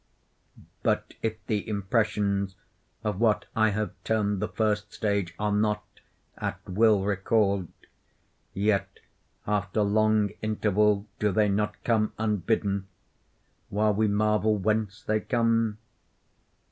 But if the impressions of what I have termed the first stage are not, at will, recalled, yet, after long interval, do they not come unbidden, while we marvel whence they come?